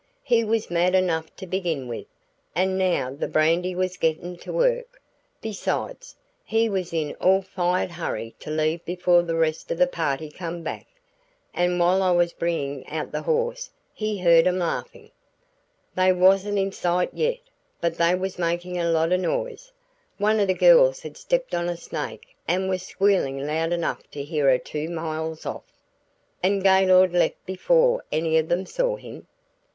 "He was mad enough to begin with, an' now the brandy was gettin' to work. Besides, he was in an all fired hurry to leave before the rest o' the party come back, an' while I was bringin' out the horse, he heard 'em laughin'. They wasn't in sight yet, but they was makin' a lot o' noise. One o' the girls had stepped on a snake an' was squealin' loud enough to hear her two miles off." "And Gaylord left before any of them saw him?"